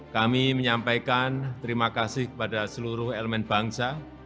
kami menyampaikan terima kasih kepada seluruh elemen bangsa